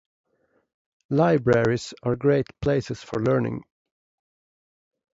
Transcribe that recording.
Libraries are great places for learning